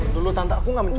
dulu tante aku gak mencuri